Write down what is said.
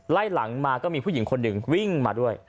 ไล่หลังมาก็มีผู้หญิงคนหนึ่งวิ่งมาด้วย